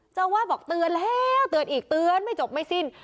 เจ้าวาดบอกเตือนแล้วเตือนอีกเตือนไม่จบไม่สิ้น